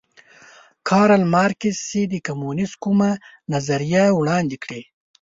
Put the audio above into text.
کارل مارکس چې د کمونیزم کومه نظریه وړاندې کړې